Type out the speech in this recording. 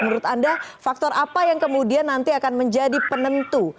menurut anda faktor apa yang kemudian nanti akan menjadi penentu